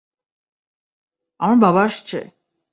আমার বাবা আসছে!